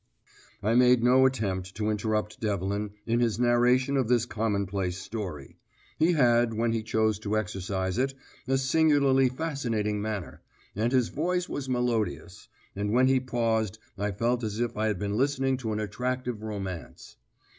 I made no attempt to interrupt Devlin in his narration of this commonplace story. He had, when he chose to exercise it, a singularly fascinating manner, and his voice was melodious, and when he paused I felt as if I had been listening to an attractive romance.